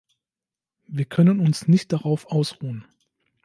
Wir können uns nicht darauf ausruhen.